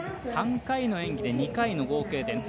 ３回の演技で２回の合計点。